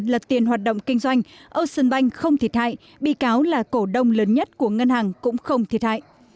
lật tiền hoạt động kinh doanh ocean bank không thiệt hại bị cáo là cổ đông lớn nhất của ngân hàng cũng không thiệt hại